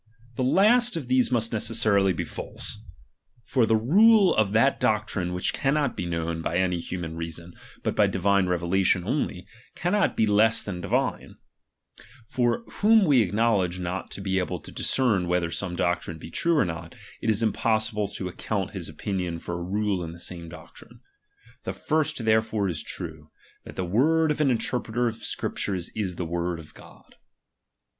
The last of these must ne cessarily be false ; for the rule of that doctrine which cannot be known by any human reason, but by divine revelation only, cannot be less than divine ; for whom we acknowledge not to be able to discern whether some doctrine be true or not, it is impossible to account his opinion for a rule in the same doctrine. The first therefore is true, that the word of an interpreter of Scriptures i.t the word of God.